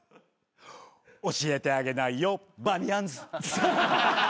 「教えてあげないよバーミヤンズ」